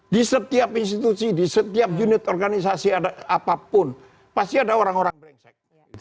di setiap institusi di setiap unit organisasi apapun pasti ada orang orang brengsek